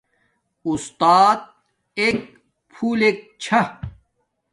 اُستات ایک پھولک چھا